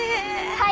はい。